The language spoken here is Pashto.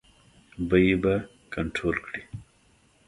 بیې به کنټرول کړي.